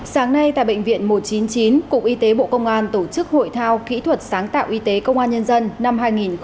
sáng nay tại bệnh viện một trăm chín mươi chín cục y tế bộ công an tổ chức hội thao kỹ thuật sáng tạo y tế công an nhân dân năm hai nghìn hai mươi